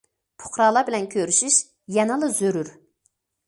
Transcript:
پۇقرالار بىلەن كۆرۈشۈش يەنىلا زۆرۈر.